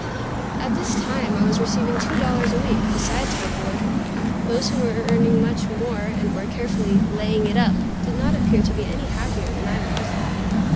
At this time I was receiving two dollars a week, besides my board. Those who were earning much more, and were carefully "laying it up," did not appear to be any happier than I was.